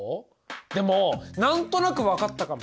でも何となく分かったかも！